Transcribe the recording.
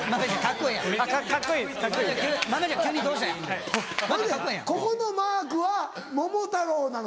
ほいでここのマークは桃太郎なの？